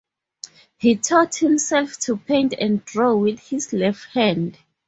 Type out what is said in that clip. He taught himself to paint and draw with his left hand.